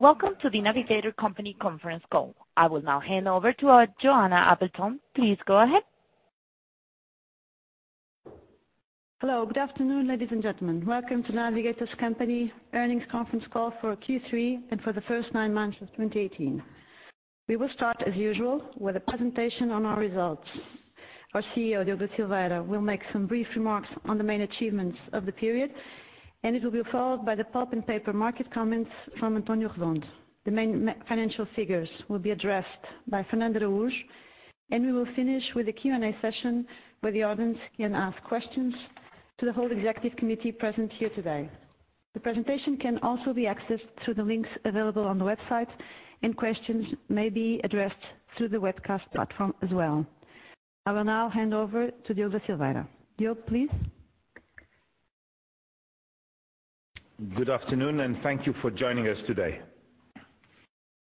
Welcome to The Navigator Company conference call. I will now hand over to Joana Amorim. Please go ahead. Hello. Good afternoon, ladies and gentlemen. Welcome to Navigator's Company earnings conference call for Q3 and for the first nine months of 2018. We will start, as usual, with a presentation on our results. Our CEO, Diogo Silveira, will make some brief remarks on the main achievements of the period. It will be followed by the pulp and paper market comments from António Redondo. The main financial figures will be addressed by Fernando de Araújo. We will finish with a Q&A session where the audience can ask questions to the whole executive committee present here today. The presentation can also be accessed through the links available on the website. Questions may be addressed through the webcast platform as well. I will now hand over to Diogo Silveira. Diogo, please. Good afternoon, and thank you for joining us today.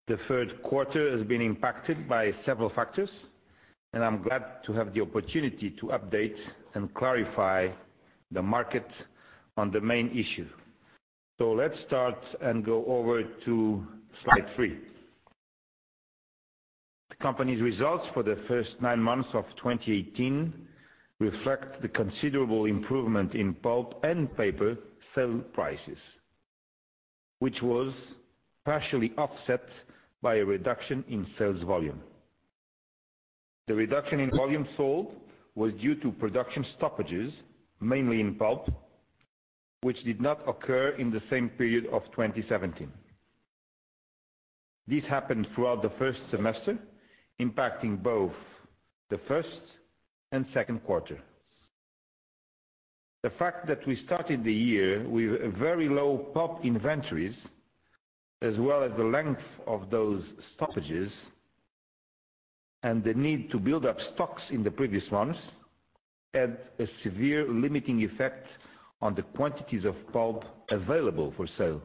The third quarter has been impacted by several factors. I'm glad to have the opportunity to update and clarify the market on the main issue. Let's start and go over to slide three. The company's results for the first nine months of 2018 reflect the considerable improvement in pulp and paper sale prices, which was partially offset by a reduction in sales volume. The reduction in volume sold was due to production stoppages, mainly in pulp, which did not occur in the same period of 2017. This happened throughout the first semester, impacting both the first and second quarter. The fact that we started the year with very low pulp inventories, as well as the length of those stoppages and the need to build up stocks in the previous months, had a severe limiting effect on the quantities of pulp available for sale.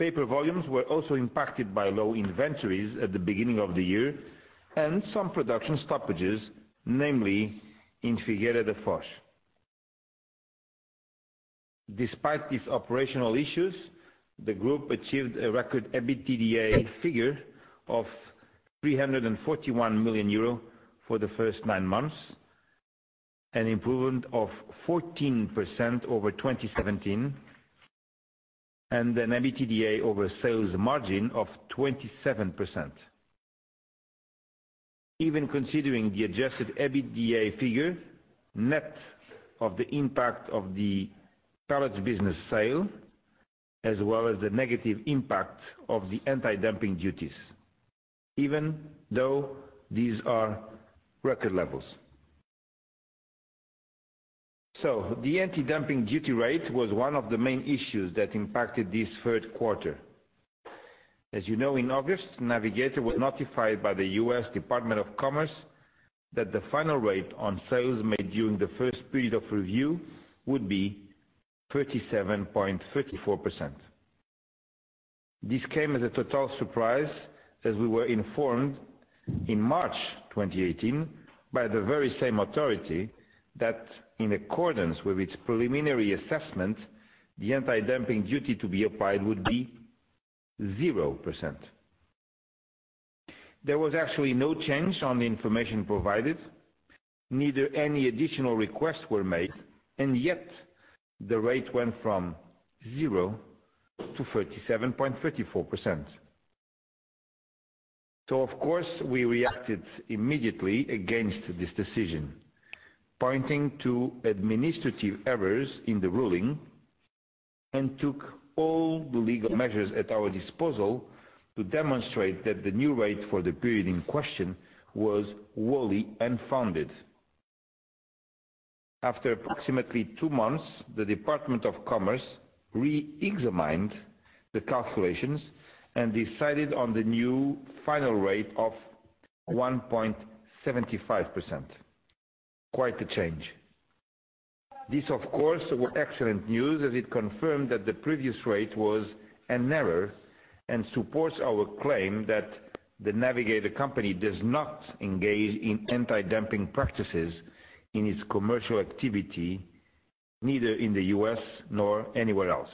Paper volumes were also impacted by low inventories at the beginning of the year and some production stoppages, namely in Figueira da Foz. Despite these operational issues, the group achieved a record EBITDA figure of 341 million euro for the first nine months, an improvement of 14% over 2017, and an EBITDA over sales margin of 27%. Even considering the adjusted EBITDA figure, net of the impact of the pellet business sale, as well as the negative impact of the antidumping duties, even though these are record levels. The antidumping duty rate was one of the main issues that impacted this third quarter. As you know, in August, Navigator was notified by the U.S. Department of Commerce that the final rate on sales made during the first period of review would be 37.34%. This came as a total surprise, as we were informed in March 2018 by the very same authority that in accordance with its preliminary assessment, the antidumping duty to be applied would be 0%. There was actually no change on the information provided, neither any additional requests were made, and yet the rate went from 0 to 37.34%. Of course, we reacted immediately against this decision, pointing to administrative errors in the ruling, and took all the legal measures at our disposal to demonstrate that the new rate for the period in question was wholly unfounded. After approximately two months, the Department of Commerce re-examined the calculations and decided on the new final rate of 1.75%. Quite a change. This, of course, was excellent news as it confirmed that the previous rate was an error and supports our claim that The Navigator Company does not engage in antidumping practices in its commercial activity, neither in the U.S. nor anywhere else.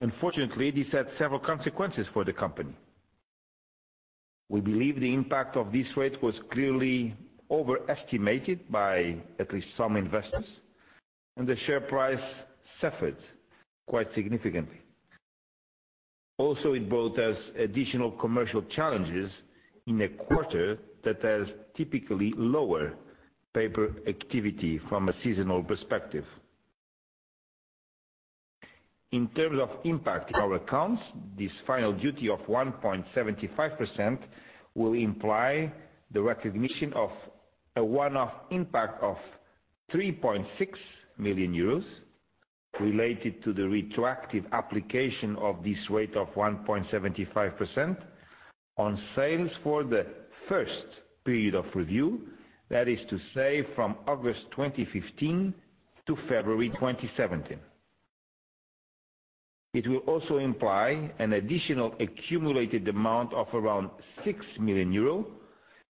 Unfortunately, this had several consequences for the company. We believe the impact of this rate was clearly overestimated by at least some investors, and the share price suffered quite significantly. It brought us additional commercial challenges in a quarter that has typically lower paper activity from a seasonal perspective. In terms of impact in our accounts, this final duty of 1.75% will imply the recognition of a one-off impact of 3.6 million euros related to the retroactive application of this rate of 1.75% on sales for the first period of review. That is to say, from August 2015 to February 2017. It will also imply an additional accumulated amount of around 6 million euro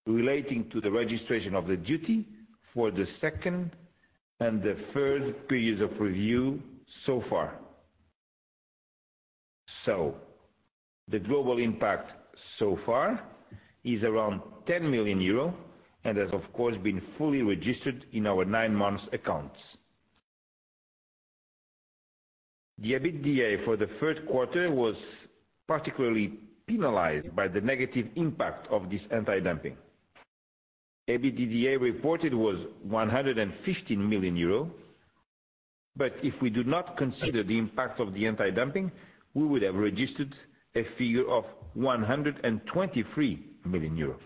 relating to the registration of the duty for the second and the third periods of review so far. The global impact so far is around 10 million euro and has, of course, been fully registered in our nine months accounts. The EBITDA for the third quarter was particularly penalized by the negative impact of this antidumping. EBITDA reported was 115 million euro, but if we do not consider the impact of the antidumping, we would have registered a figure of 123 million euros.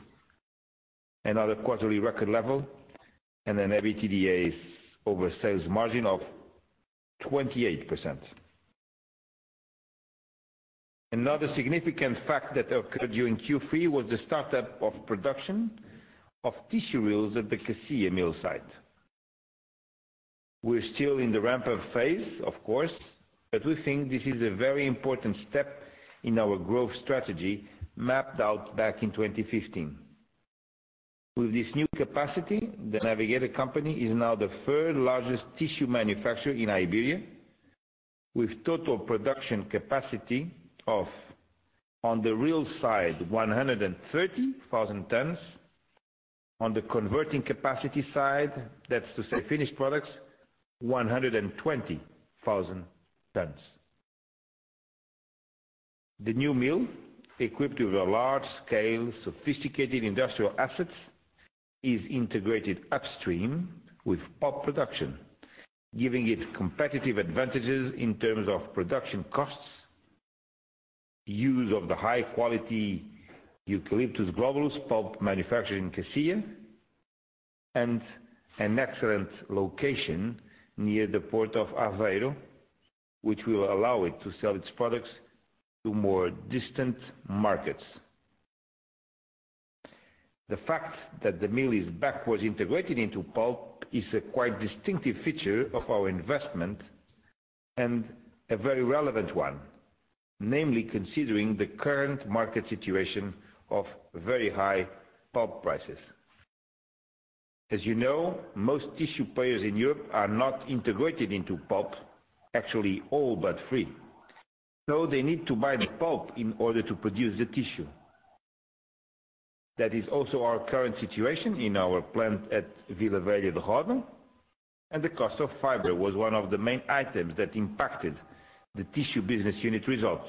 Another quarterly record level and an EBITDA over sales margin of 28%. Another significant fact that occurred during Q3 was the startup of production of tissue reels at the Cacia mill site. We're still in the ramp-up phase, of course, but we think this is a very important step in our growth strategy mapped out back in 2015. With this new capacity, The Navigator Company is now the third largest tissue manufacturer in Iberia, with total production capacity of, on the reel side, 130,000 tons. On the converting capacity side, that's to say finished products, 120,000 tons. The new mill, equipped with a large scale, sophisticated industrial assets, is integrated upstream with pulp production, giving it competitive advantages in terms of production costs, use of the high-quality Eucalyptus globulus pulp manufacturing Cacia, and an excellent location near the port of Aveiro, which will allow it to sell its products to more distant markets. The fact that the mill is backwards integrated into pulp is a quite distinctive feature of our investment and a very relevant one, namely considering the current market situation of very high pulp prices. As you know, most tissue players in Europe are not integrated into pulp, actually all but three. They need to buy the pulp in order to produce the tissue. That is also our current situation in our plant at Vila Nova de Famalicão, and the cost of fiber was one of the main items that impacted the tissue business unit results.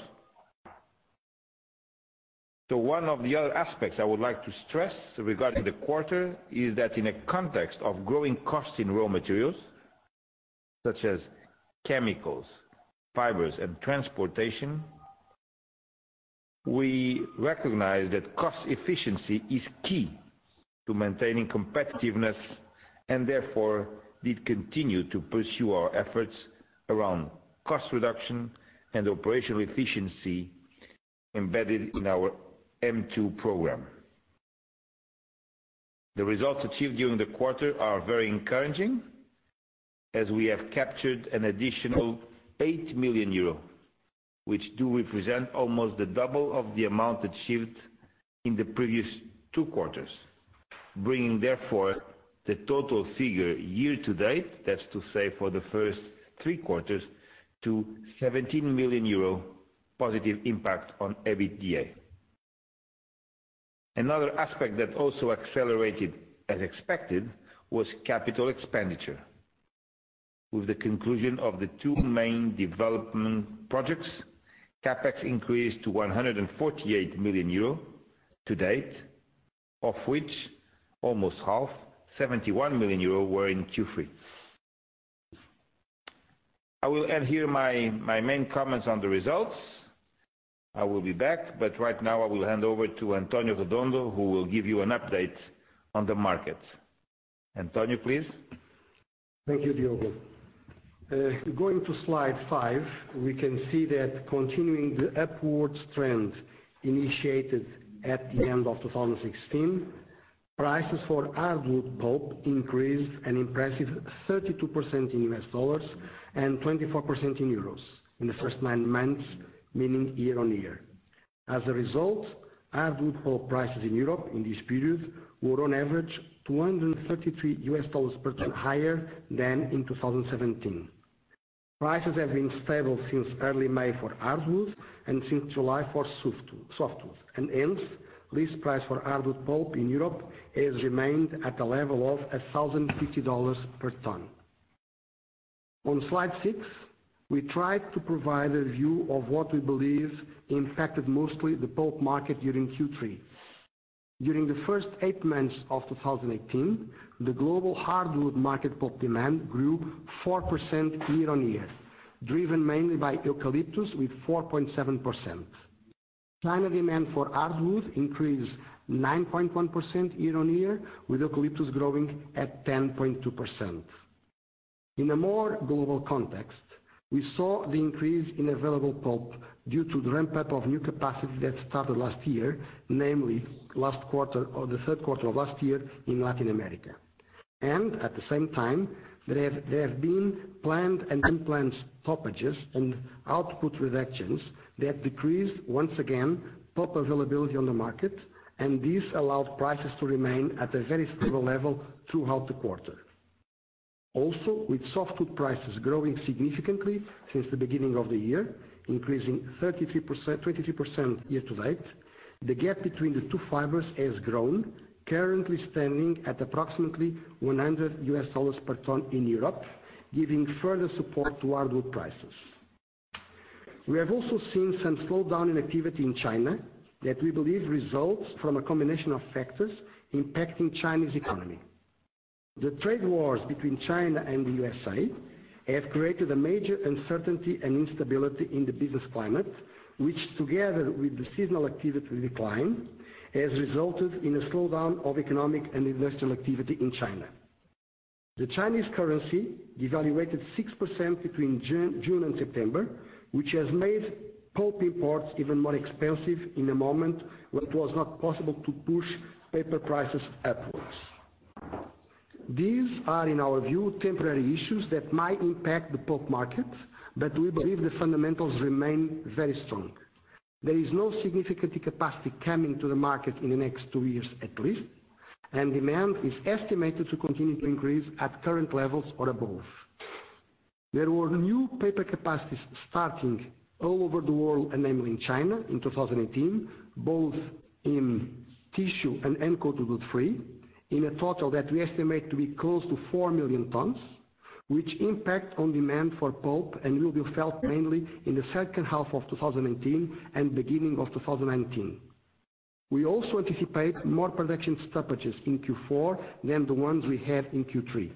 One of the other aspects I would like to stress regarding the quarter is that in a context of growing costs in raw materials such as chemicals, fibers, and transportation, we recognize that cost efficiency is key to maintaining competitiveness and therefore did continue to pursue our efforts around cost reduction and operational efficiency embedded in our M2 program. Thank you, Diogo. The results achieved during the quarter are very encouraging as we have captured an additional 8 million euro, which do represent almost the double of the amount achieved in the previous two quarters, bringing therefore the total figure year to date, that is to say, for the first three quarters, to 17 million euro positive impact on EBITDA. Another aspect that also accelerated as expected was capital expenditure. With the conclusion of the two main development projects, CapEx increased to 148 million euro to date, of which almost half, 71 million euro were in Q3. I will end here my main comments on the results. I will be back, but right now I will hand over to António Redondo who will give you an update on the market. António, please. Thank you, Diogo. Going to slide five, we can see that continuing the upwards trend initiated at the end of 2016, prices for hardwood pulp increased an impressive 32% in US dollars and 24% in EUR in the first nine months, meaning year-on-year. As a result, hardwood pulp prices in Europe in this period were on average $233 per ton higher than in 2017. Prices have been stable since early May for hardwood and since July for softwood. Hence, least price for hardwood pulp in Europe has remained at a level of $1,050 per ton. On slide six, we tried to provide a view of what we believe impacted mostly the pulp market during Q3. During the first eight months of 2018, the global hardwood market pulp demand grew 4% year-on-year, driven mainly by eucalyptus with 4.7%. China demand for hardwood increased 9.1% year-on-year with eucalyptus growing at 10.2%. In a more global context, we saw the increase in available pulp due to the ramp-up of new capacity that started last year, namely last quarter or the third quarter of last year in Latin America. At the same time, there have been planned and unplanned stoppages and output reductions that decreased, once again, pulp availability on the market, and this allowed prices to remain at a very stable level throughout the quarter. With softwood prices growing significantly since the beginning of the year, increasing 23% year-to-date, the gap between the two fibers has grown, currently standing at approximately $100 US per ton in Europe, giving further support to hardwood prices. We have also seen some slowdown in activity in China that we believe results from a combination of factors impacting China's economy. The trade wars between China and the USA have created a major uncertainty and instability in the business climate, which together with the seasonal activity decline, has resulted in a slowdown of economic and industrial activity in China. The Chinese currency devaluated 6% between June and September, which has made pulp imports even more expensive in a moment when it was not possible to push paper prices upwards. These are, in our view, temporary issues that might impact the pulp market, but we believe the fundamentals remain very strong. There is no significant capacity coming to the market in the next two years at least, and demand is estimated to continue to increase at current levels or above. There were new paper capacities starting all over the world, namely in China in 2018, both in tissue and uncoated free, in a total that we estimate to be close to 4 million tons, which impact on demand for pulp and will be felt mainly in the second half of 2018 and beginning of 2019. We also anticipate more production stoppages in Q4 than the ones we had in Q3.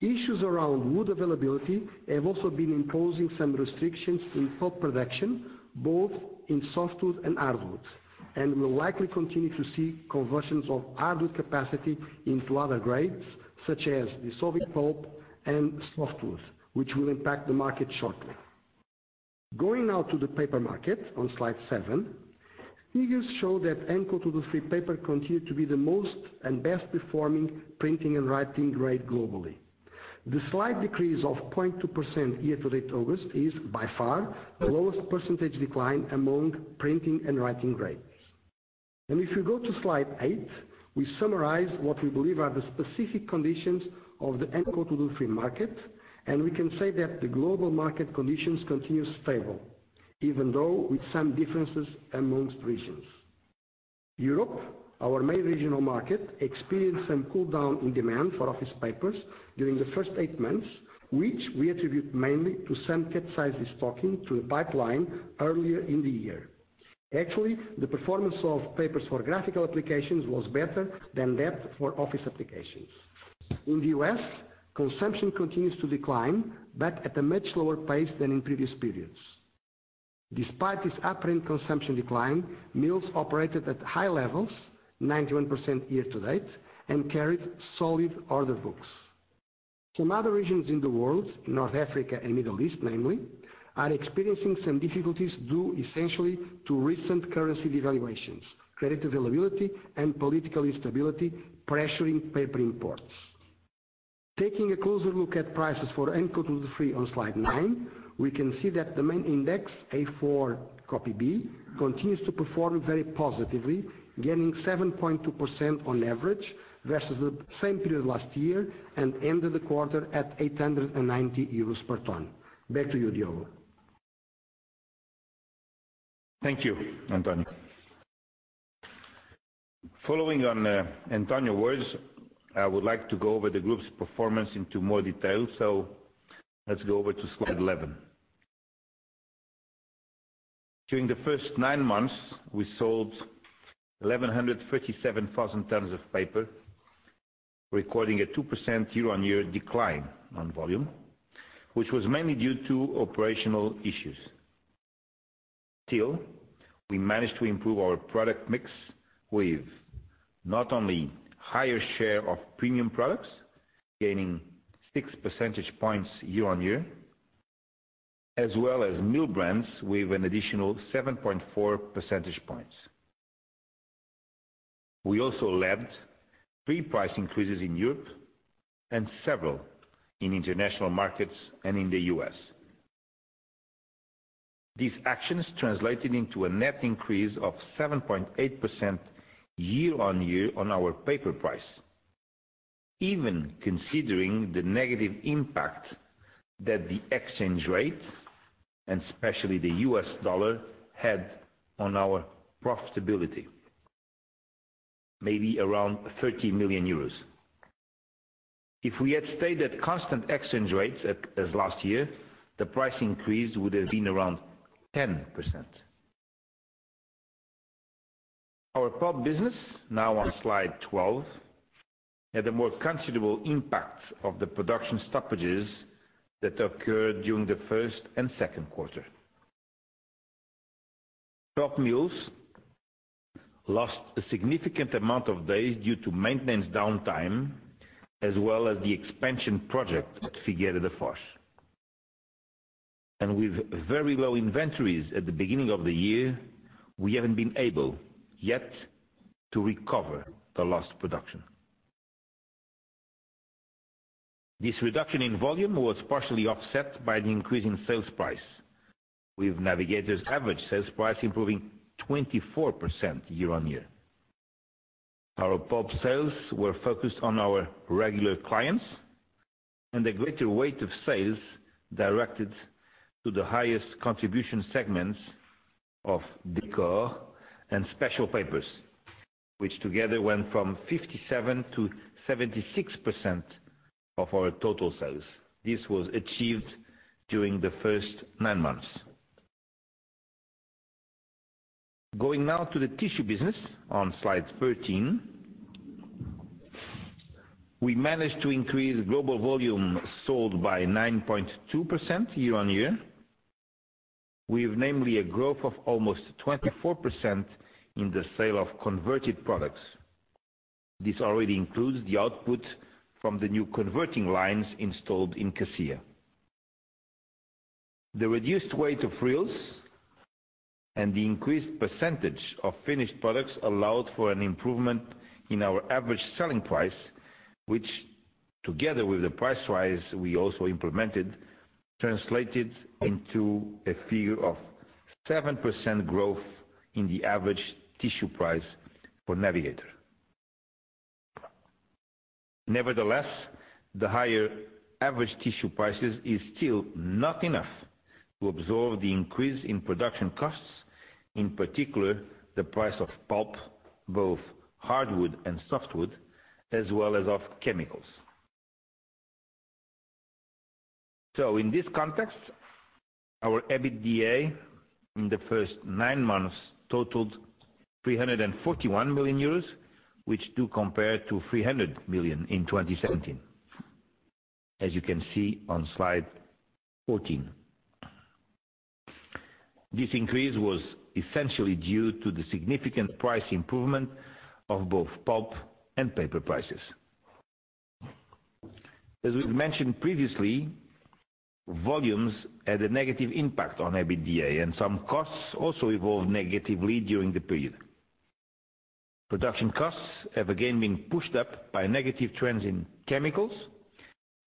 Issues around wood availability have also been imposing some restrictions in pulp production, both in softwood and hardwoods, and we'll likely continue to see conversions of hardwood capacity into other grades, such as dissolving pulp and softwood, which will impact the market shortly. Going now to the paper market on slide seven, figures show that uncoated free paper continued to be the most and best performing printing and writing grade globally. The slight decrease of 20% year-to-date August is by far the lowest percentage decline among printing and writing grades. If you go to slide eight, we summarize what we believe are the specific conditions of the uncoated free market, and we can say that the global market conditions continue stable, even though with some differences amongst regions. Europe, our main regional market, experienced some cool down in demand for office papers during the first eight months, which we attribute mainly to some With very low inventories at the beginning of the year, we haven't been able yet to recover the lost production. This reduction in volume was partially offset by an increase in sales price. With Navigator's average sales price improving 24% year-on-year. Our pulp sales were focused on our regular clients and a greater weight of sales directed to the highest contribution segments of decor and special papers, which together went from 57% to 76% of our total sales. This was achieved during the first nine months. Going now to the tissue business on Slide 13. We managed to increase global volume sold by 9.2% year-on-year. We have namely a growth of almost 24% in the sale of converted products. This already includes the output from the new converting lines installed in Cacia. The reduced weight of reels and the increased percentage of finished products allowed for an improvement in our average selling price, which together with the price rise we also implemented, translated into a figure of 7% growth in the average tissue price for Navigator. Nevertheless, the higher average tissue prices is still not enough to absorb the increase in production costs, in particular the price of pulp, both hardwood and softwood, as well as of chemicals. In this context, our EBITDA in the first nine months totaled 341 million euros, which do compare to 300 million in 2017, as you can see on Slide 14. This increase was essentially due to the significant price improvement of both pulp and paper prices. As we mentioned previously, volumes had a negative impact on EBITDA, and some costs also evolved negatively during the period. Production costs have again been pushed up by negative trends in chemicals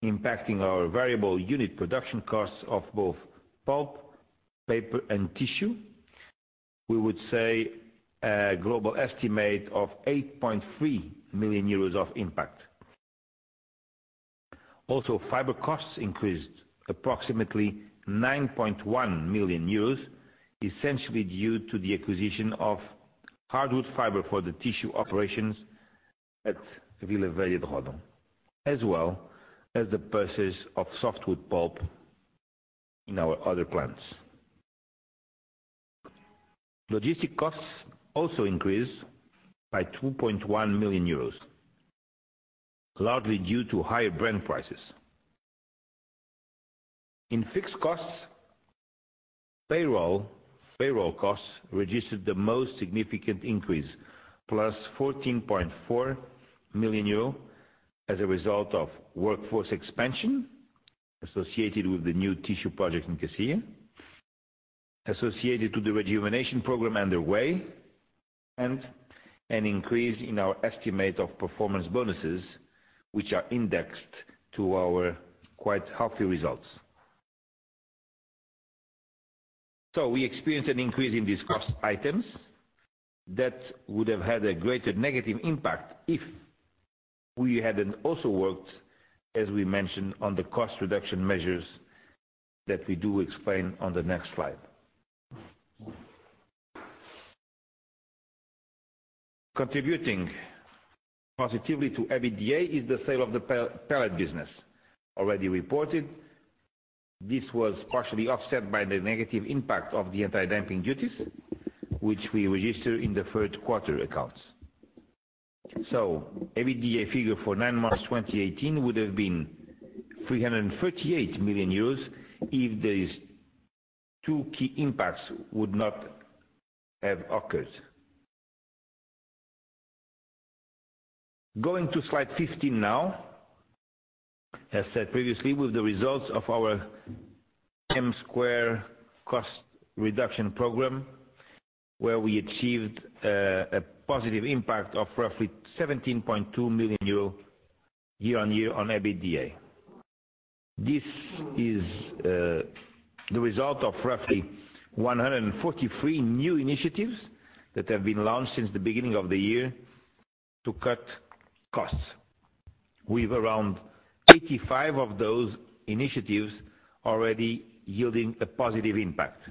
impacting our variable unit production costs of both pulp, paper, and tissue. We would say a global estimate of 8.3 million euros of impact. Also, fiber costs increased approximately 9.1 million euros, essentially due to the acquisition of hardwood fiber for the tissue operations at Vila Velha de Ródão, as well as the purchase of softwood pulp in our other plants. Logistic costs also increased by 2.1 million euros, largely due to higher brand prices. In fixed costs, payroll costs registered the most significant increase, plus 14.4 million euro as a result of workforce expansion associated with the new tissue project in Cacia, associated to the rejuvenation program underway, and an increase in our estimate of performance bonuses, which are indexed to our quite healthy results. We experienced an increase in these cost items that would have had a greater negative impact if we hadn't also worked, as we mentioned, on the cost reduction measures that we do explain on the next slide. Contributing positively to EBITDA is the sale of the pellet business already reported. This was partially offset by the negative impact of the antidumping duties, which we register in the third quarter accounts. EBITDA figure for nine months 2018 would have been 338 million euros if these two key impacts would not have occurred. Going to Slide 15 now. As said previously, with the results of our M2 cost reduction program, where we achieved a positive impact of roughly 17.2 million euro year-on-year on EBITDA. This is the result of roughly 143 new initiatives that have been launched since the beginning of the year to cut costs. With around 85 of those initiatives already yielding a positive impact.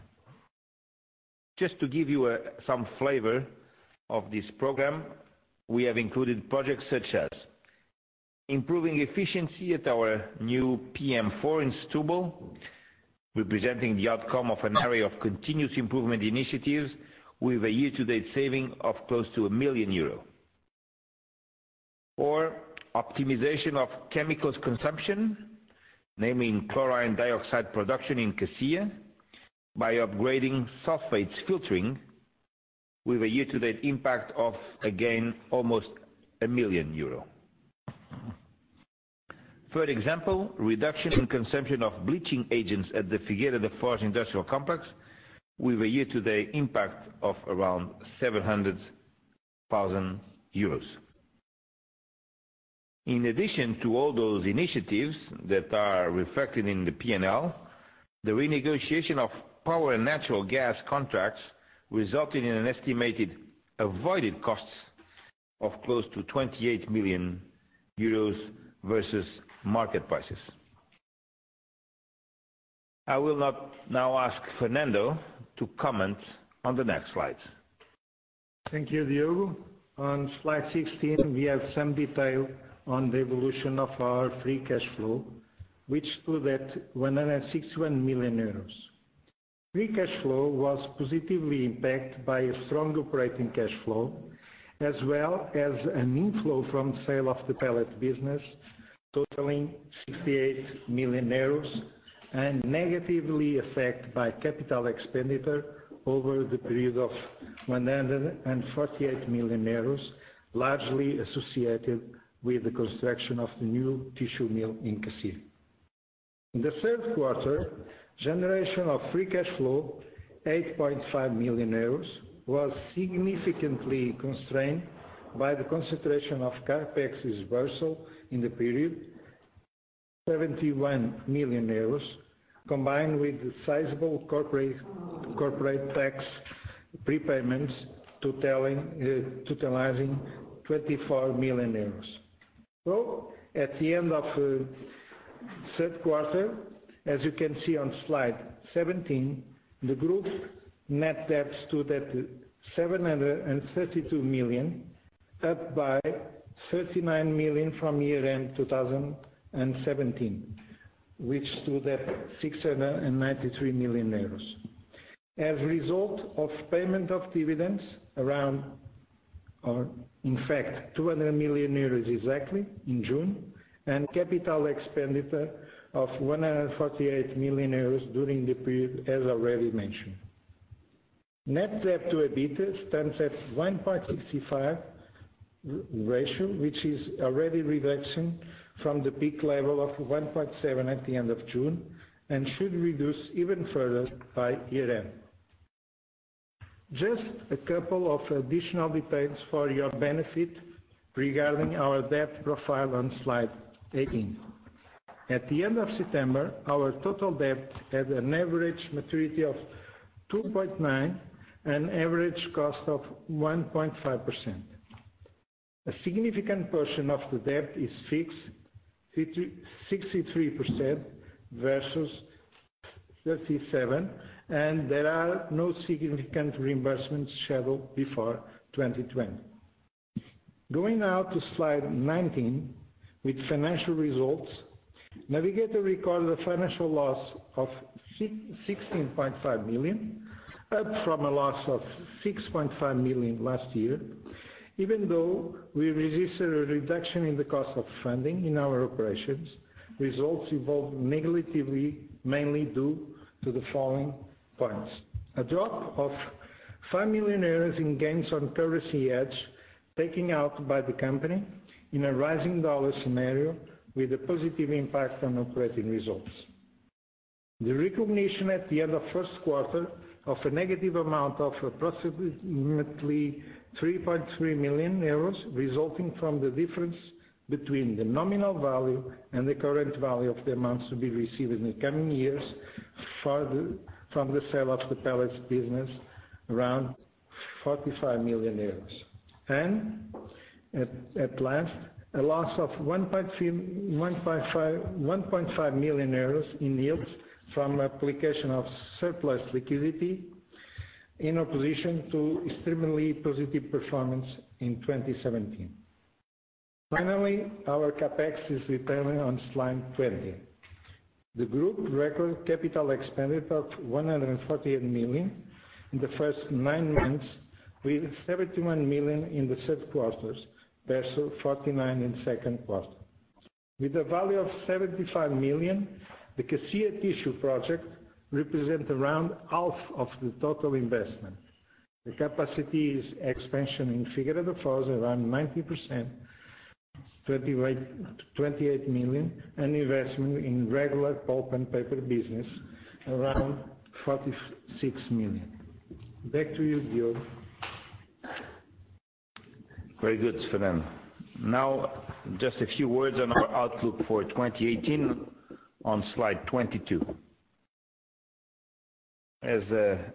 Just to give you some flavor of this program, we have included projects such as improving efficiency at our new PM4 in Setúbal, representing the outcome of an area of continuous improvement initiatives with a year-to-date saving of close to 1 million euro. Or optimization of chemicals consumption, namely chlorine dioxide production in Cacia by upgrading sulfates filtering with a year-to-date impact of, again, almost 1 million euros. For example, reduction in consumption of bleaching agents at the Figueira da Foz industrial complex, with a year-to-date impact of around EUR 700,000. In addition to all those initiatives that are reflected in the P&L, the renegotiation of power and natural gas contracts resulted in an estimated avoided costs of close to 28 million euros versus market prices. I will now ask Fernando to comment on the next slide. Thank you, Diogo. On slide 16, we have some detail on the evolution of our free cash flow, which stood at 161 million euros. Free cash flow was positively impacted by a strong operating cash flow, as well as an inflow from the sale of the pellet business totaling 68 million euros and negatively affected by capital expenditure over the period of 148 million euros, largely associated with the construction of the new tissue mill in Cacia. In the third quarter, generation of free cash flow, 8.5 million euros, was significantly constrained by the concentration of CapEx dispersal in the period, 71 million euros, combined with sizeable corporate tax prepayments totalizing 24 million euros. At the end of the third quarter, as you can see on slide 17, the group net debt stood at 732 million, up by 39 million from year-end 2017, which stood at 693 million euros, as a result of payment of dividends around, or in fact 200 million euros exactly in June, and capital expenditure of 148 million euros during the period, as already mentioned. Net debt to EBITDA stands at 1.65 ratio, which is already reduction from the peak level of 1.7 at the end of June and should reduce even further by year-end. Just a couple of additional details for your benefit regarding our debt profile on slide 18. At the end of September, our total debt had an average maturity of 2.9, an average cost of 1.5%. A significant portion of the debt is fixed, 63% versus 37%, and there are no significant reimbursements scheduled before 2020. Going now to slide 19 with financial results. Navigator recorded a financial loss of 16.5 million, up from a loss of 6.5 million last year. Even though we registered a reduction in the cost of funding in our operations, results evolved negatively, mainly due to the following points. A drop of 5 million euros in gains on currency hedge, taken out by the company in a rising U.S. dollar scenario with a positive impact on operating results. The recognition at the end of first quarter of a negative amount of approximately 3.3 million euros resulting from the difference between the nominal value and the current value of the amounts to be received in the coming years from the sale of the pellet business around 45 million euros. At last, a loss of 1.5 million euros in yields from application of surplus liquidity in opposition to extremely positive performance in 2017. Finally, our CapEx is detailed on slide 20. The group recorded capital expenditure of 148 million in the first nine months, with 71 million in the third quarter versus 49 in second quarter. With a value of 75 million, the Cacia tissue project represent around half of the total investment. The capacity is expansion in Figueira da Foz around 90%, 28 million, an investment in regular pulp and paper business around 46 million. Back to you, Diogo. Very good, Fernando. Just a few words on our outlook for 2018 on slide 22. As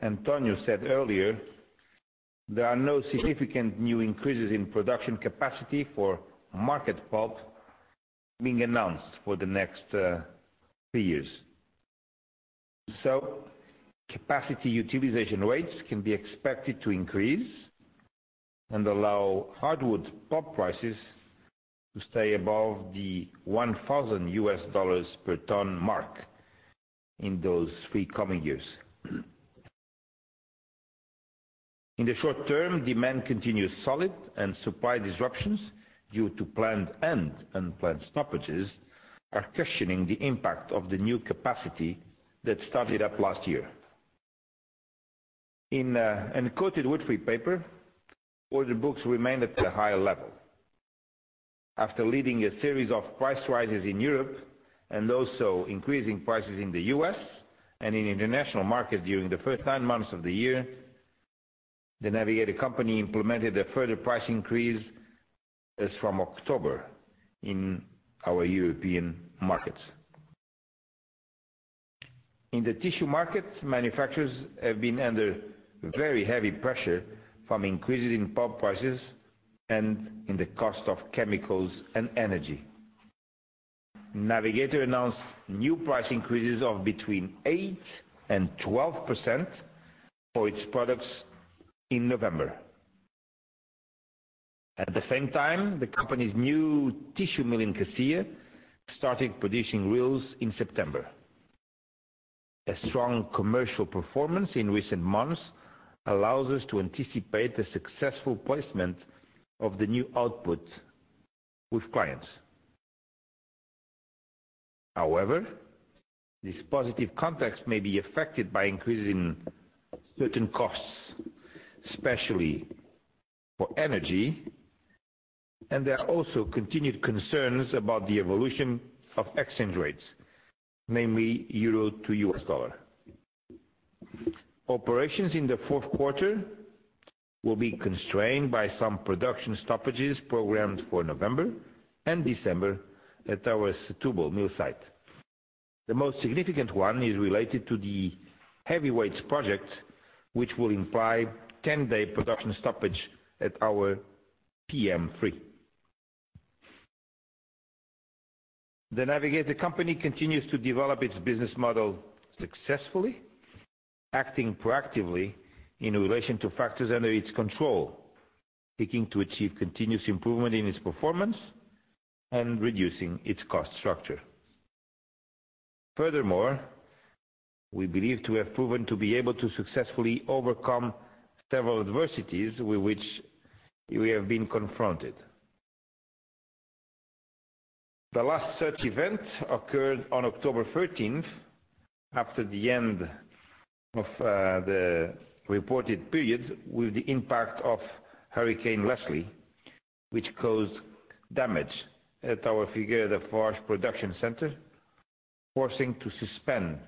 António said earlier, there are no significant new increases in production capacity for market pulp being announced for the next three years. Capacity utilization rates can be expected to increase and allow hardwood pulp prices to stay above the $1,000 per ton mark in those three coming years. In the short term, demand continues solid and supply disruptions due to planned and unplanned stoppages are cushioning the impact of the new capacity that started up last year. In the uncoated wood-free paper, order books remained at a high level. After leading a series of price rises in Europe and also increasing prices in the U.S. and in international markets during the first nine months of the year, The Navigator Company implemented a further price increase as from October in our European markets. In the tissue market, manufacturers have been under very heavy pressure from increases in pulp prices and in the cost of chemicals and energy. Navigator announced new price increases of between 8%-12% for its products in November. At the same time, the company's new tissue mill in Cacia started producing reels in September. A strong commercial performance in recent months allows us to anticipate the successful placement of the new output with clients. However, this positive context may be affected by increasing certain costs, especially for energy, and there are also continued concerns about the evolution of exchange rates, namely EUR to USD. Operations in the fourth quarter will be constrained by some production stoppages programmed for November and December at our Setúbal mill site. The most significant one is related to the heavyweights project, which will imply 10-day production stoppage at our PM3. The Navigator Company continues to develop its business model successfully, acting proactively in relation to factors under its control, seeking to achieve continuous improvement in its performance and reducing its cost structure. Furthermore, we believe to have proven to be able to successfully overcome several adversities with which we have been confronted. The last such event occurred on October 13th, after the end of the reported period, with the impact of Hurricane Leslie, which caused damage at our Figueira da Foz production center, forcing to suspend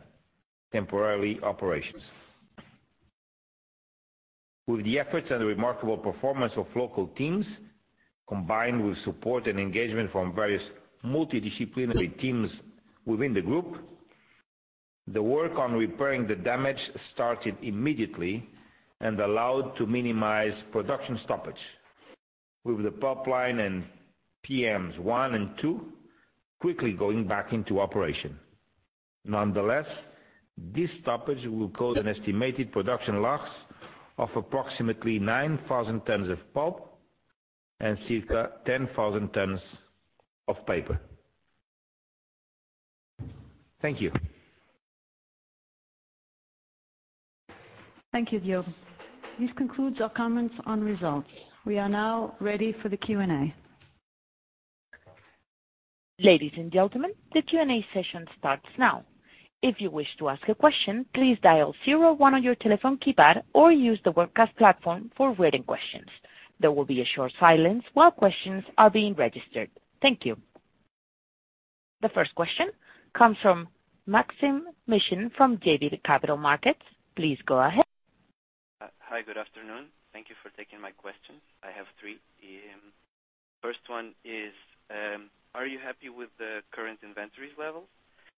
temporarily operations. With the efforts and the remarkable performance of local teams, combined with support and engagement from various multidisciplinary teams within the group, the work on repairing the damage started immediately and allowed to minimize production stoppage, with the pulp line and PMs one and two quickly going back into operation. Nonetheless, this stoppage will cause an estimated production loss of approximately 9,000 tons of pulp and circa 10,000 tons of paper. Thank you. Thank you, Diogo. This concludes our comments on results. We are now ready for the Q&A. Ladies and gentlemen, the Q&A session starts now. If you wish to ask a question, please dial 01 on your telephone keypad or use the webcast platform for written questions. There will be a short silence while questions are being registered. Thank you. The first question comes from Maksym Mishyn from JB Capital Markets. Please go ahead. Hi. Good afternoon. Thank you for taking my question. I have three. First one is, are you happy with the current inventories level?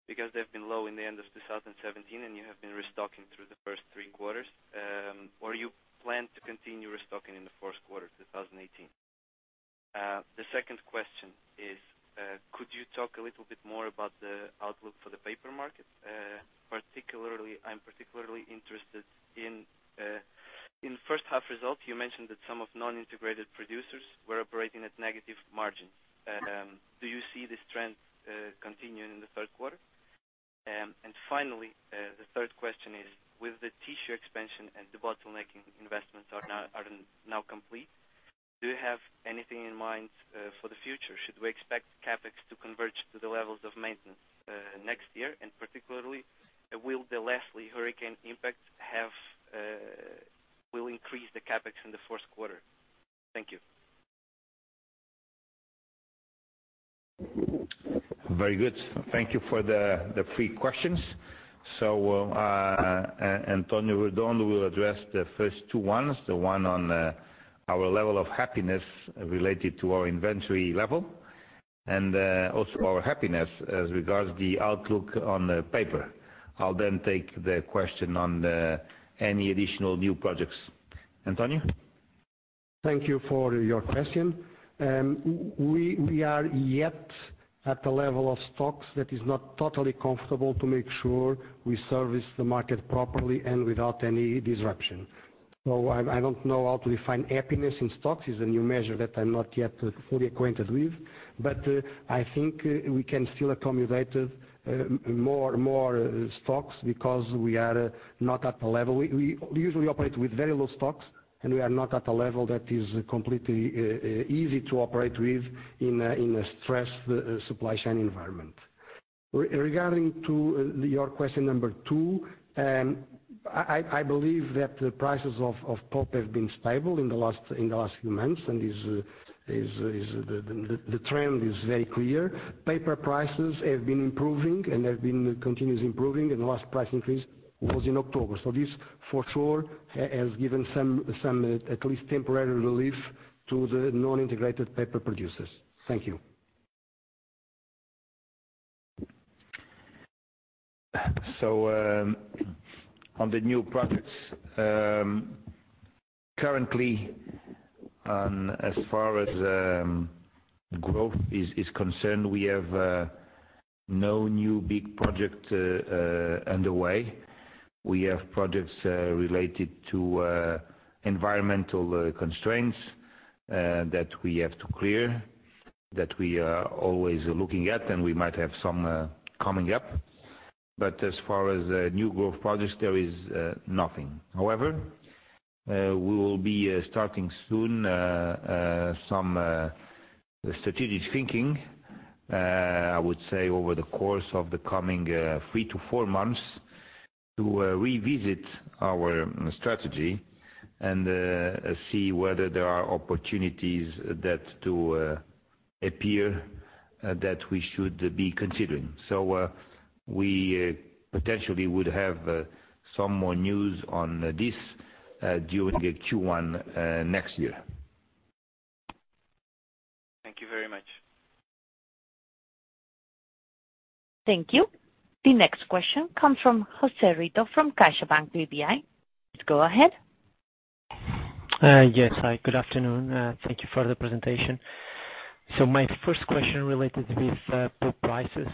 Because they've been low in the end of 2017, and you have been restocking through the first three quarters. Or you plan to continue restocking in the first quarter 2018? The second question is, could you talk a little bit more about the outlook for the paper market? I'm particularly interested in first half results, you mentioned that some of non-integrated producers were operating at negative margins. Do you see this trend continuing in the third quarter? Finally, the third question is, with the tissue expansion and the bottlenecking investments are now complete, do you have anything in mind for the future? Should we expect CapEx to converge to the levels of maintenance next year? Particularly, will the Hurricane Leslie impact will increase the CapEx in the first quarter? Thank you. Very good. Thank you for the three questions. António Redondo will address the first two ones, the one on our level of happiness related to our inventory level and also our happiness as regards the outlook on the paper. I will then take the question on any additional new projects. António? Thank you for your question. We are yet at the level of stocks that is not totally comfortable to make sure we service the market properly and without any disruption. I don't know how to define happiness in stocks, it is a new measure that I am not yet fully acquainted with. I think we can still accumulate more stocks because we are not at the level. We usually operate with very low stocks, and we are not at a level that is completely easy to operate with in a stressed supply chain environment. Regarding your question number 2, I believe that the prices of pulp have been stable in the last few months, and the trend is very clear. Paper prices have been improving and have been continuously improving, and the last price increase was in October. This for sure has given some at least temporary relief to the non-integrated paper producers. Thank you. On the new projects. Currently, as far as growth is concerned, we have no new big project underway. We have projects related to environmental constraints that we have to clear, that we are always looking at, and we might have some coming up. As far as new growth projects, there is nothing. However, we will be starting soon some strategic thinking, I would say over the course of the coming three to four months, to revisit our strategy and see whether there are opportunities that appear that we should be considering. We potentially would have some more news on this during the Q1 next year. Thank you very much. Thank you. The next question comes from José Rito from CaixaBank BPI. Go ahead. Yes. Hi, good afternoon. Thank you for the presentation. My first question related with pulp prices.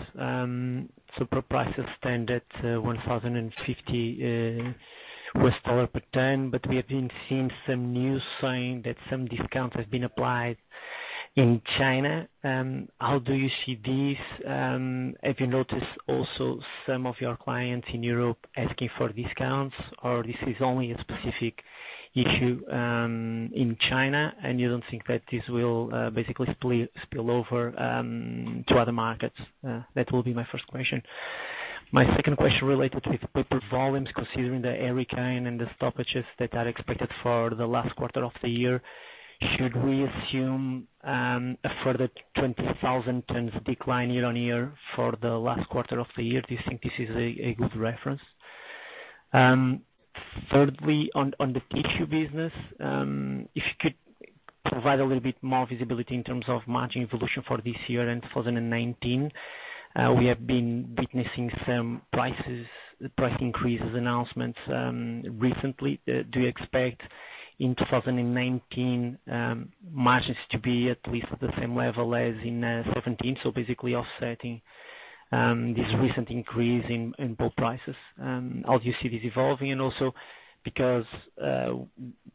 Pulp prices stand at $1,050 per ton, but we have been seeing some news saying that some discounts have been applied in China. How do you see this? Have you noticed also some of your clients in Europe asking for discounts? This is only a specific issue in China and you don't think that this will basically spill over to other markets? That will be my first question. My second question related with paper volumes, considering the hurricane and the stoppages that are expected for the last quarter of the year, should we assume a further 20,000 tons decline year-on-year for the last quarter of the year? Do you think this is a good reference? Thirdly, on the tissue business, if you could provide a little bit more visibility in terms of margin evolution for this year and 2019. We have been witnessing some price increases announcements recently. Do you expect in 2019 margins to be at least at the same level as in 2017, so basically offsetting this recent increase in pulp prices? How do you see this evolving? Also because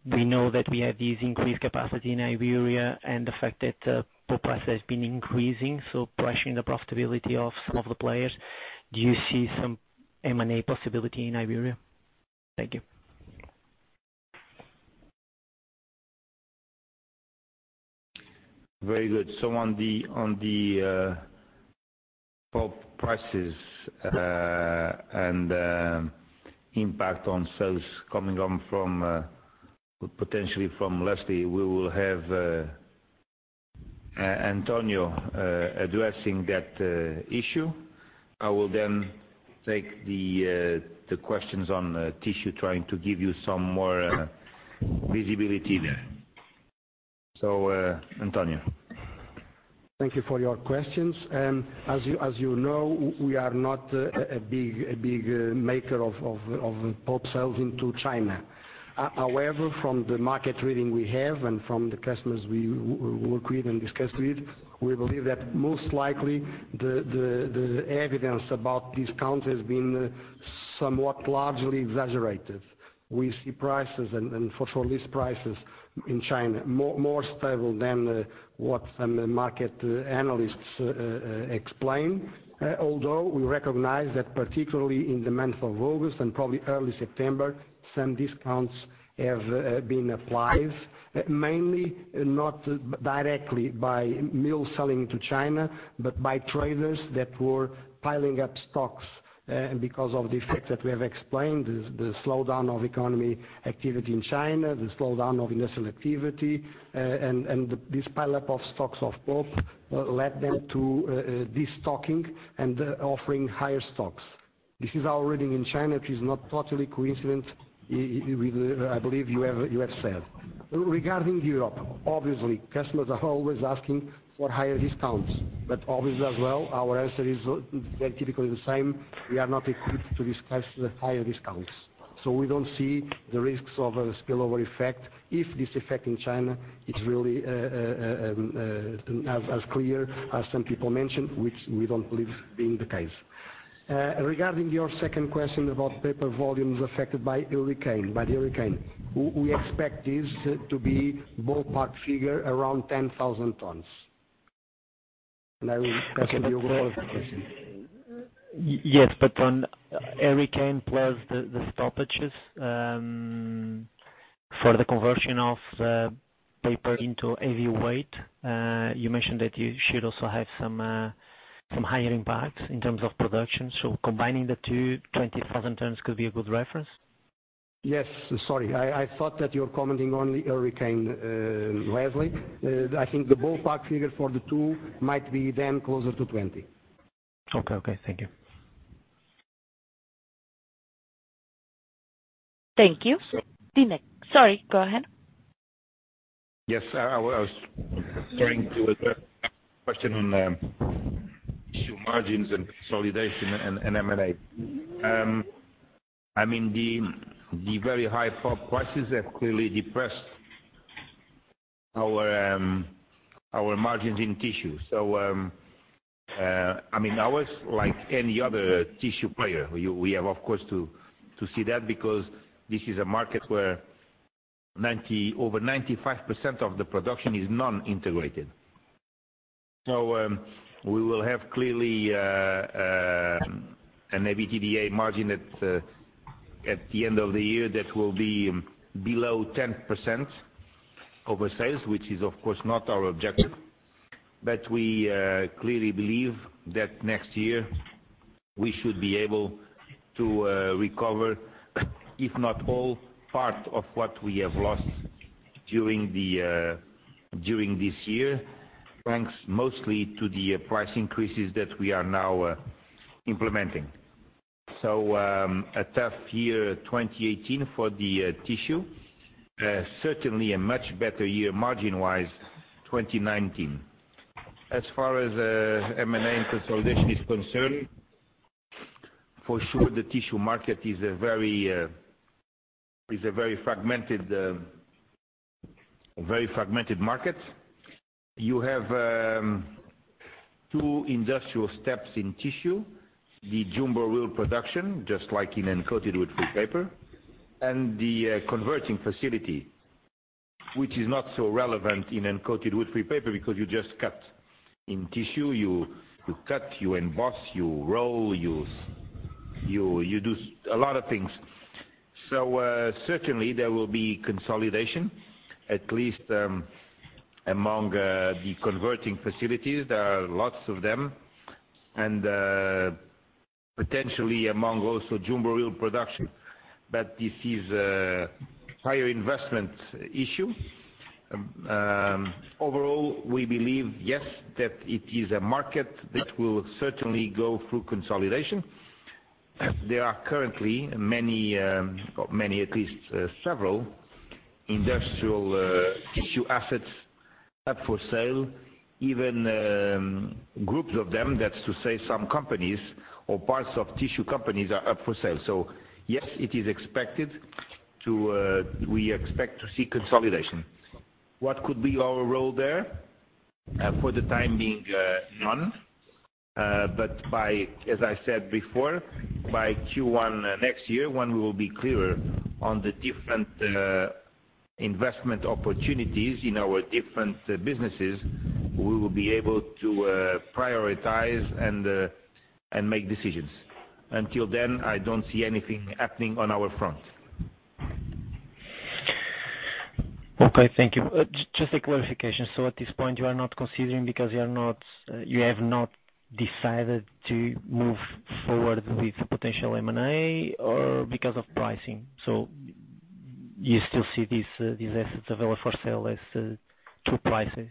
we know that we have this increased capacity in Iberia and the fact that pulp price has been increasing, so pressuring the profitability of some of the players. Do you see some M&A possibility in Iberia? Thank you. Very good. On the pulp prices and impact on sales coming on potentially from Hurricane Leslie, we will have António Redondo addressing that issue. I will then take the questions on tissue, trying to give you some more visibility there. António Redondo. Thank you for your questions. As you know, we are not a big maker of pulp sales into China. However, from the market reading we have and from the customers we work with and discuss with, we believe that most likely the evidence about discount has been somewhat largely exaggerated. We see prices, and for sure list prices in China, more stable than what some market analysts explain. Although we recognize that particularly in the month of August and probably early September, some discounts have been applied, mainly not directly by mills selling to China, but by traders that were piling up stocks because of the effect that we have explained, the slowdown of economy activity in China, the slowdown of industrial activity. This pileup of stocks of pulp led them to destocking and offering higher stocks. This is our reading in China, which is not totally coincident with I believe you have said. Regarding Europe, obviously, customers are always asking for higher discounts, but obviously as well, our answer is very typically the same. We are not equipped to discuss the higher discounts, so we don't see the risks of a spillover effect if this effect in China is really as clear as some people mentioned, which we don't believe being the case. Regarding your second question about paper volumes affected by the hurricane. We expect this to be ballpark figure around 10,000 tons. I will pass to you for the follow-up question. Yes. On hurricane plus the stoppages for the conversion of paper into heavyweight, you mentioned that you should also have some higher impacts in terms of production. Combining the two 20,000 tons could be a good reference? Yes. Sorry. I thought that you were commenting only Hurricane Leslie. I think the ballpark figure for the two might be then closer to 20. Okay. Thank you. Thank you. Sorry, go ahead. Yes. I was trying to address question on tissue margins and consolidation and M&A. The very high pulp prices have clearly depressed our margins in tissue. Ours like any other tissue player, we have of course to see that because this is a market where over 95% of the production is non-integrated. We will have clearly an EBITDA margin at the end of the year that will be below 10% of sales, which is of course not our objective, but we clearly believe that next year we should be able to recover, if not all, part of what we have lost during this year, thanks mostly to the price increases that we are now implementing. A tough year 2018 for the tissue. Certainly a much better year margin wise, 2019. As far as M&A and consolidation is concerned, for sure the tissue market is a very fragmented market. You have two industrial steps in tissue, the jumbo reel production, just like in uncoated wood-free paper and the converting facility, which is not so relevant in uncoated wood-free paper because you just cut. In tissue, you cut, you emboss, you roll, you do a lot of things. Certainly there will be consolidation, at least among the converting facilities. There are lots of them, and potentially among also jumbo reel production. This is a higher investment issue. Overall, we believe, yes, that it is a market that will certainly go through consolidation. There are currently many, at least several industrial tissue assets up for sale. Even groups of them, that's to say some companies or parts of tissue companies are up for sale. Yes, we expect to see consolidation. What could be our role there? For the time being none. As I said before, by Q1 next year, when we will be clearer on the different investment opportunities in our different businesses, we will be able to prioritize and make decisions. Until then, I don't see anything happening on our front. Okay. Thank you. Just a clarification. At this point you are not considering because you have not decided to move forward with potential M&A or because of pricing? You still see these assets available for sale as two prices,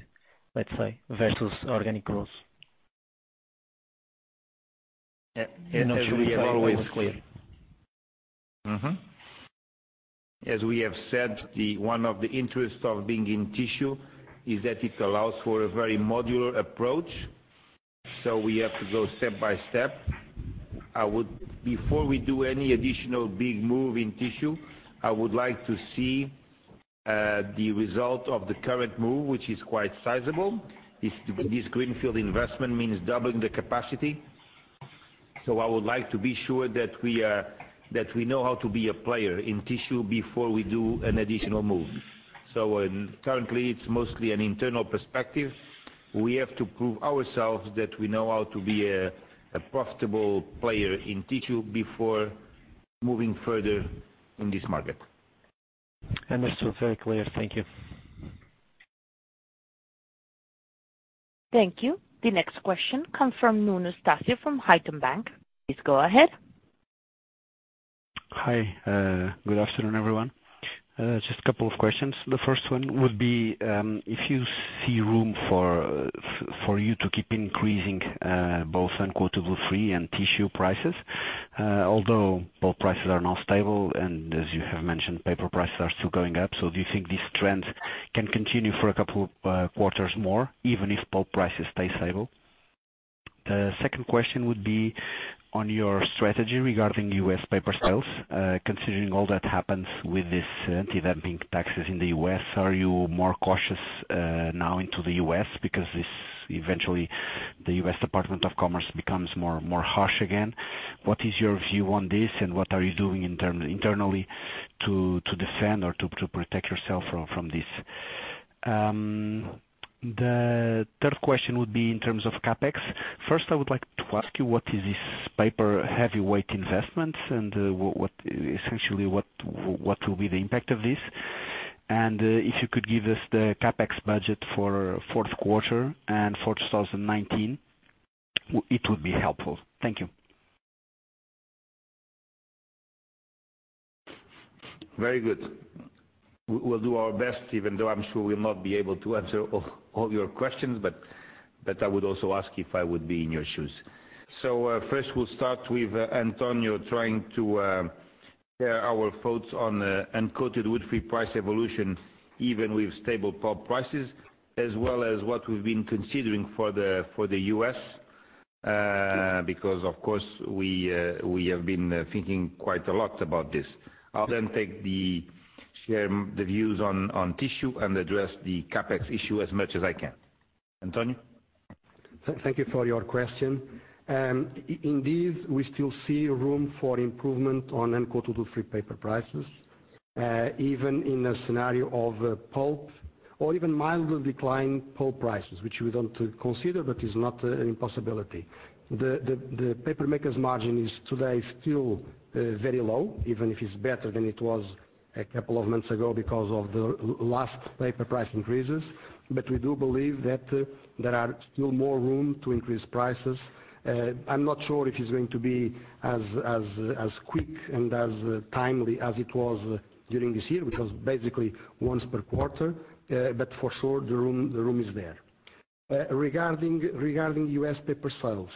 let's say, versus organic growth. As we have always said. As we have said, one of the interests of being in tissue is that it allows for a very modular approach, we have to go step by step. Before we do any additional big move in tissue, I would like to see the result of the current move, which is quite sizable. This greenfield investment means doubling the capacity. I would like to be sure that we know how to be a player in tissue before we do an additional move. Currently it's mostly an internal perspective. We have to prove ourselves that we know how to be a profitable player in tissue before moving further in this market. That's very clear. Thank you. Thank you. The next question comes from Nuno Eustáquio from Haitong Bank. Please go ahead. Hi. Good afternoon, everyone. Just a couple of questions. The first one would be, if you see room for you to keep increasing both uncoated wood-free and tissue prices. Although pulp prices are now stable, and as you have mentioned, paper prices are still going up. Do you think this trend can continue for a couple quarters more, even if pulp prices stay stable? Second question would be on your strategy regarding U.S. paper sales. Considering all that happens with this anti-dumping taxes in the U.S., are you more cautious now into the U.S. because this eventually the U.S. Department of Commerce becomes more harsh again? What is your view on this, and what are you doing internally to defend or to protect yourself from this? The third question would be in terms of CapEx. I would like to ask you what is this paper heavyweight investment and essentially what will be the impact of this? If you could give us the CapEx budget for fourth quarter and for 2019, it would be helpful. Thank you. Very good. We'll do our best, even though I'm sure we'll not be able to answer all your questions, but I would also ask if I would be in your shoes. First we'll start with António trying to share our thoughts on the uncoated wood-free price evolution, even with stable pulp prices, as well as what we've been considering for the U.S., because of course we have been thinking quite a lot about this. I'll share the views on tissue and address the CapEx issue as much as I can. António? Thank you for your question. Indeed, we still see room for improvement on uncoated wood-free paper prices, even in a scenario of pulp or even mildly declining pulp prices, which we don't consider but is not an impossibility. The paper maker's margin is today still very low, even if it's better than it was a couple of months ago because of the last paper price increases. We do believe that there are still more room to increase prices. I'm not sure if it's going to be as quick and as timely as it was during this year, which was basically once per quarter. For sure, the room is there. Regarding U.S. paper sales,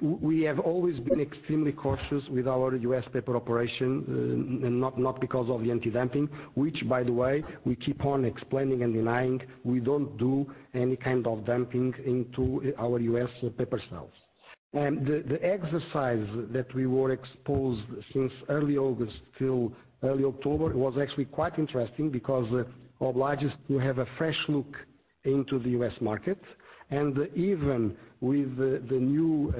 we have always been extremely cautious with our U.S. paper operation, not because of the anti-dumping, which by the way, we keep on explaining and denying, we don't do any kind of dumping into our U.S. paper sales. The exercise that we were exposed since early August till early October was actually quite interesting because oblige us to have a fresh look into the U.S. market. Even with the new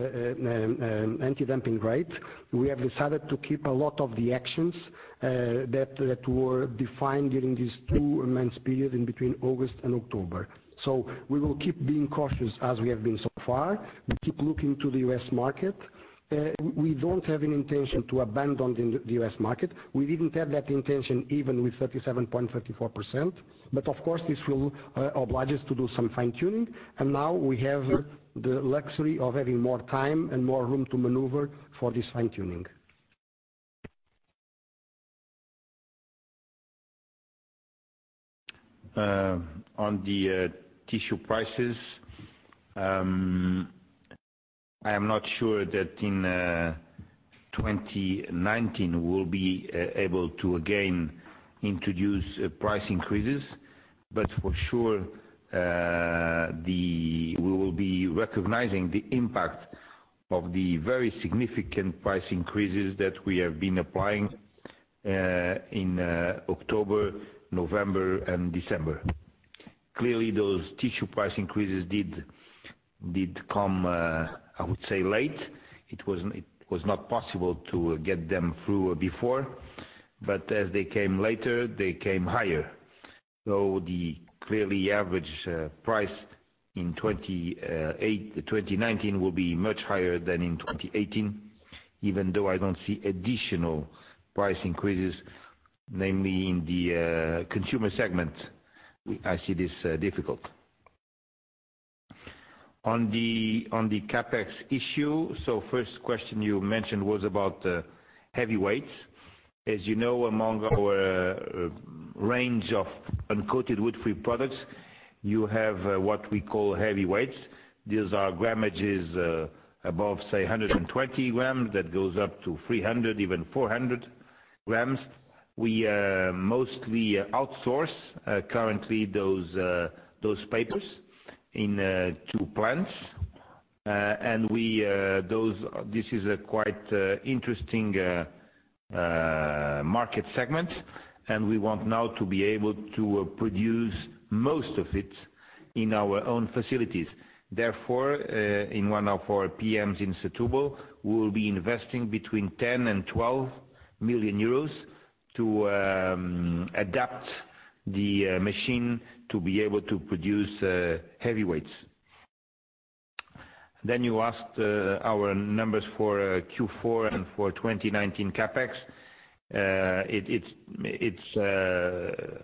anti-dumping rate, we have decided to keep a lot of the actions that were defined during these two months period in between August and October. We will keep being cautious as we have been so far. We keep looking to the U.S. market. We don't have any intention to abandon the U.S. market. We didn't have that intention even with 37.34%. Of course, this will oblige us to do some fine-tuning. Now we have the luxury of having more time and more room to maneuver for this fine-tuning. On the tissue prices. I am not sure that in 2019, we'll be able to again introduce price increases, but for sure we will be recognizing the impact of the very significant price increases that we have been applying in October, November, and December. Clearly, those tissue price increases did come, I would say late. It was not possible to get them through before. As they came later, they came higher. Clearly, the average price in 2019 will be much higher than in 2018, even though I don't see additional price increases, namely in the consumer segment. I see this difficult. On the CapEx issue. First question you mentioned was about heavyweights. As you know, among our range of uncoated wood-free products, you have what we call heavyweights. These are grammages above, say, 120 gram that goes up to 300, even 400 grams. We mostly outsource currently those papers in two plants. This is a quite interesting market segment. We want now to be able to produce most of it in our own facilities. Therefore, in one of our PMs in Setúbal, we will be investing between 10 million and 12 million euros to adapt the machine to be able to produce heavyweights. You asked our numbers for Q4 and for 2019 CapEx. It's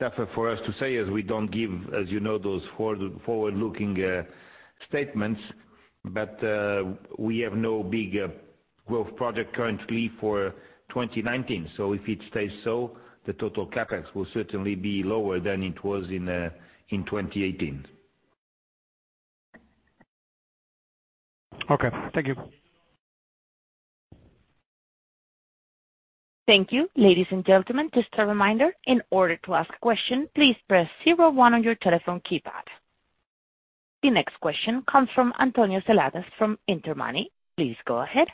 tougher for us to say, as we don't give, as you know, those forward-looking statements. We have no big growth project currently for 2019. If it stays so, the total CapEx will certainly be lower than it was in 2018. Okay. Thank you. Thank you. Ladies and gentlemen, just a reminder. In order to ask a question, please press 01 on your telephone keypad. The next question comes from António Seladas from Intermoney. Please go ahead.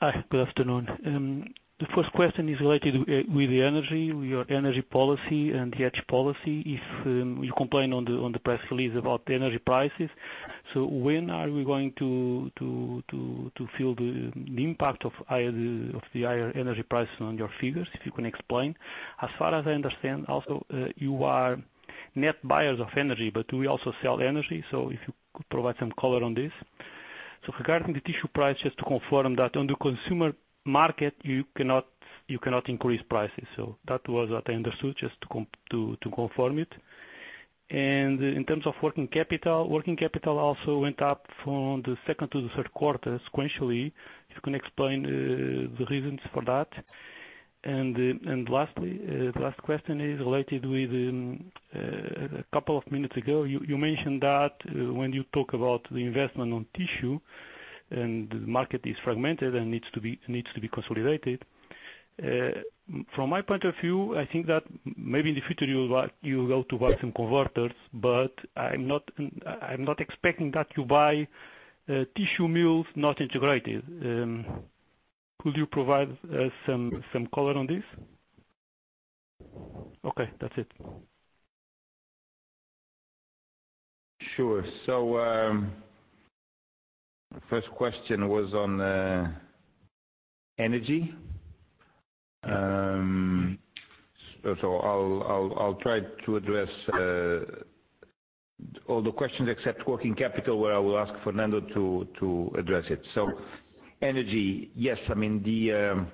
Hi, good afternoon. The first question is related with the energy, your energy policy and the hedge policy. If you complain on the press release about the energy prices, when are we going to feel the impact of the higher energy prices on your figures, if you can explain? As far as I understand, also, you are net buyers of energy, but do you also sell energy? If you could provide some color on this. Regarding the tissue prices, to confirm that on the consumer market, you cannot increase prices. That was what I understood, just to confirm it. In terms of working capital, working capital also went up from the second to the third quarter sequentially. If you can explain the reasons for that. The last question is related with a couple of minutes ago, you mentioned that when you talk about the investment on tissue and the market is fragmented and needs to be consolidated. From my point of view, I think that maybe in the future you go to buy some converters, but I'm not expecting that you buy tissue mills not integrated. Could you provide some color on this? Okay, that's it. Sure. First question was on energy. I'll try to address all the questions except working capital where I will ask Fernando to address it. Energy, yes, the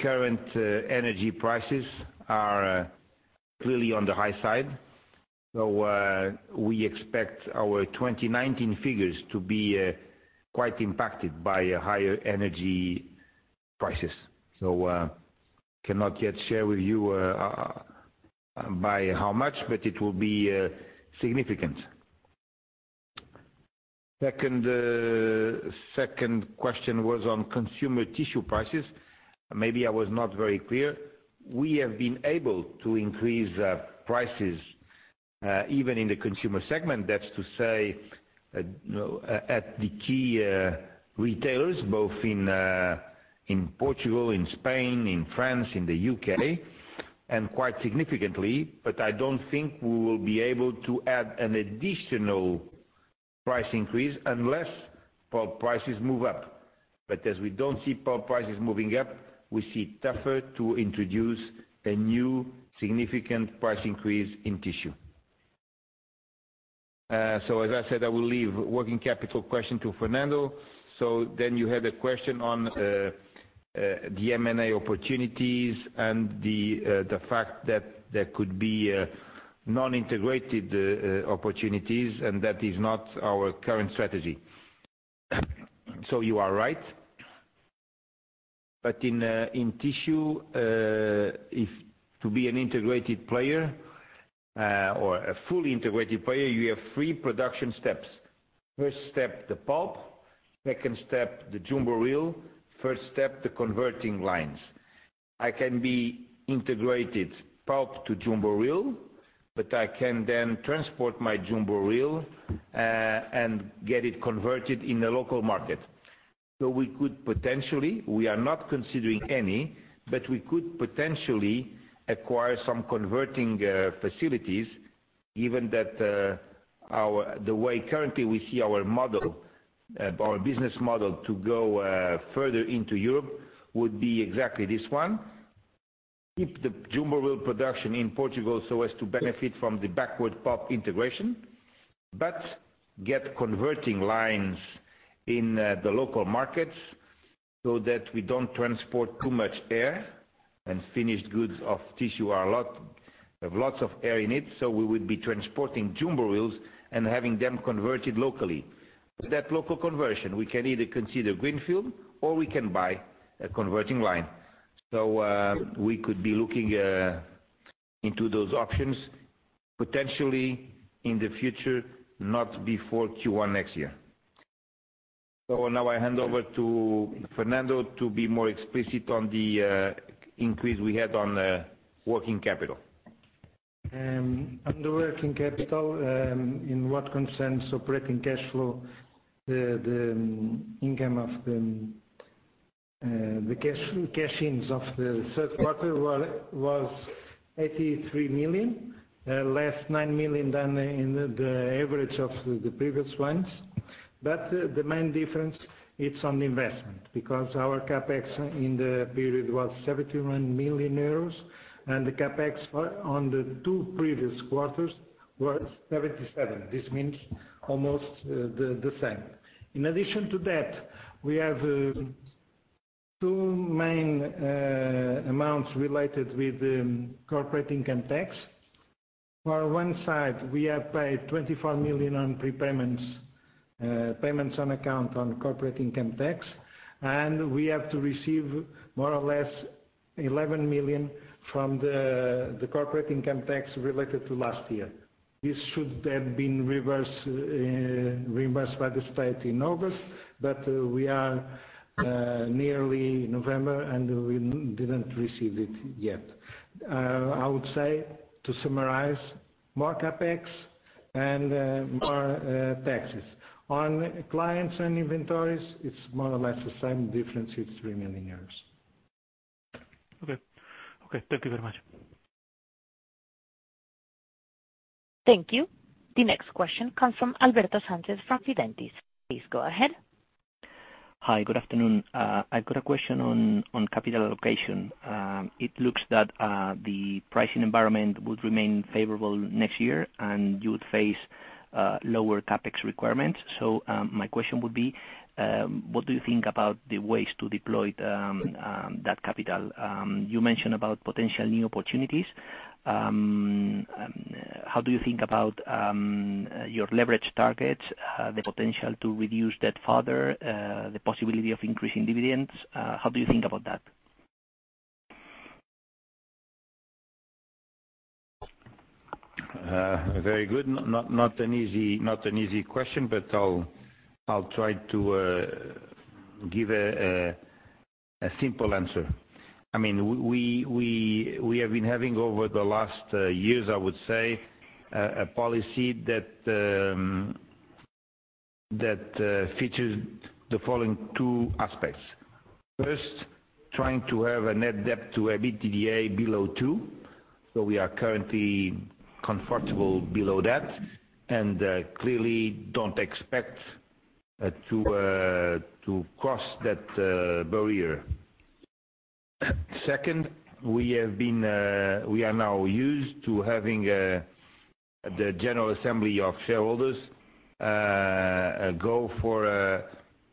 current energy prices are clearly on the high side. We expect our 2019 figures to be quite impacted by higher energy prices. Cannot yet share with you by how much, but it will be significant. Second question was on consumer tissue prices. Maybe I was not very clear. We have been able to increase prices even in the consumer segment, that's to say, at the key retailers, both in Portugal, in Spain, in France, in the U.K., and quite significantly, but I don't think we will be able to add an additional price increase unless pulp prices move up. As we don't see pulp prices moving up, we see tougher to introduce a new significant price increase in tissue. As I said, I will leave working capital question to Fernando. You had a question on the M&A opportunities and the fact that there could be non-integrated opportunities, and that is not our current strategy. You are right. In tissue, to be an integrated player or a fully integrated player, you have three production steps. First step, the pulp, second step, the jumbo reel, third step, the converting lines. I can be integrated pulp to jumbo reel, but I can then transport my jumbo reel and get it converted in the local market. We could potentially, we are not considering any, we could potentially acquire some converting facilities, given that the way currently we see our business model to go further into Europe would be exactly this one. Keep the jumbo reel production in Portugal so as to benefit from the backward pulp integration, but get converting lines in the local markets so that we don't transport too much air and finished goods of tissue have lots of air in it. We would be transporting jumbo reels and having them converted locally. That local conversion, we can either consider greenfield or we can buy a converting line. We could be looking into those options potentially in the future, not before Q1 next year. I hand over to Fernando to be more explicit on the increase we had on working capital. On the working capital, in what concerns operating cash flow, the income of the cash-ins of the third quarter was 83 million, less 9 million than the average of the previous ones. The main difference, it's on investment because our CapEx in the period was 71 million euros and the CapEx on the two previous quarters was 77 million. This means almost the same. In addition to that, we have two main amounts related with the corporate income tax. For one side, we have paid 24 million on prepayments, payments on account on corporate income tax, and we have to receive more or less 11 million from the corporate income tax related to last year. This should have been reimbursed by the state in August, we are nearly November, and we didn't receive it yet. I would say to summarize, more CapEx and more taxes. On clients and inventories, it's more or less the same difference, it's 3 million. Okay. Thank you very much. Thank you. The next question comes from Alberto Sánchez from Fidentiis. Please go ahead. Hi, good afternoon. I've got a question on capital allocation. It looks that the pricing environment would remain favorable next year, you would face lower CapEx requirements. My question would be, what do you think about the ways to deploy that capital? You mentioned about potential new opportunities. How do you think about your leverage targets, the potential to reduce debt further, the possibility of increasing dividends? How do you think about that? Very good. Not an easy question, I'll try to give a simple answer. We have been having over the last years, I would say, a policy that features the following two aspects. First, trying to have a net debt to EBITDA below two. We are currently comfortable below that and clearly don't expect to cross that barrier. Second, we are now used to having the general assembly of shareholders go for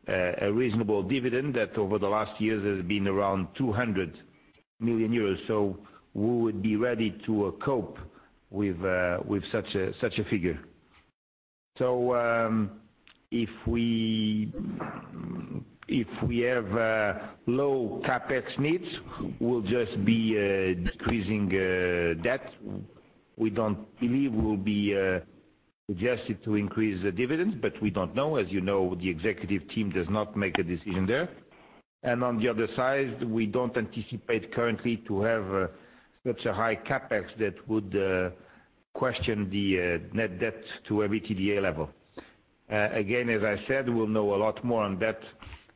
a reasonable dividend that over the last years has been around 200 million euros. We would be ready to cope with such a figure. If we have low CapEx needs, we'll just be decreasing debt. We believe we'll be adjusted to increase the dividends, but we don't know. As you know, the executive team does not make a decision there. On the other side, we don't anticipate currently to have such a high CapEx that would question the net debt to EBITDA level. Again, as I said, we'll know a lot more on that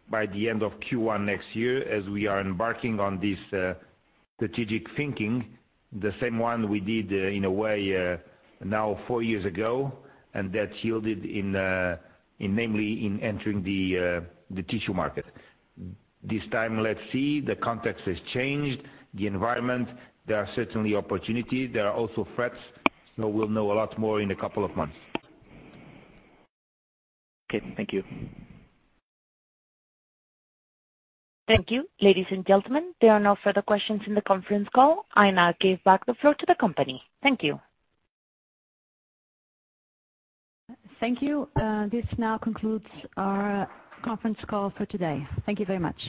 by the end of Q1 next year as we are embarking on this strategic thinking, the same one we did in a way now four years ago, and that yielded namely in entering the tissue market. This time, let's see, the context has changed, the environment. There are certainly opportunities. There are also threats. We'll know a lot more in a couple of months. Okay. Thank you. Thank you. Ladies and gentlemen, there are no further questions in the conference call. I now give back the floor to the company. Thank you. Thank you. This now concludes our conference call for today. Thank you very much.